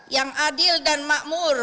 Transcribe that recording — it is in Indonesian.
yang adil dan makmur